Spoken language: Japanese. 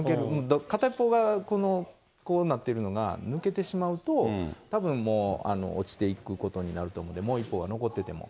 片一方がこうなってるのが抜けてしまうと、たぶんもう落ちていくことになると思うんで、もう一方が残ってても。